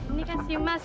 ini kan si mas